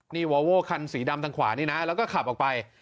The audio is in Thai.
นี่วอโว้คันสีดำทางขวานี่นะแล้วก็ขับออกไป